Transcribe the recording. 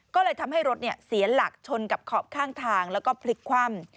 ก็เลยทำให้รถเสียหลักชนกับขอบข้างทางแล้วก็พลิกคว่ำ